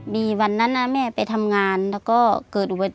มีวันนั้นมาว่าแม่ไปทำงานเพราะเกิดอุบัติเหตุ